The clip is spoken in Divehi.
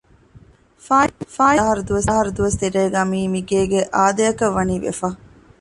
ފާއިތުވި ދެއަހަރު ދުވަސް ތެރޭގައި މިއީ މިގޭގެ އާދައަކަށް ވަނީ ވެފަ